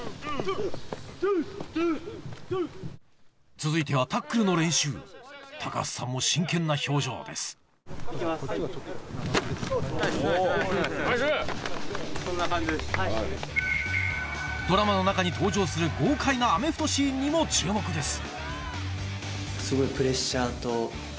・続いてはタックルの練習橋さんも真剣な表情です・そんな感じです・ドラマの中に登場する豪快なアメフトシーンにも注目です